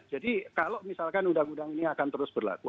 jadi kalau misalkan undang undang ini akan terus berlaku